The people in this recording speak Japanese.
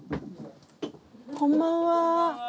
こんばんは。